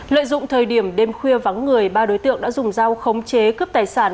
lợi dụng thời điểm đêm khuya vắng người ba đối tượng đã dùng dao khống chế cướp tài sản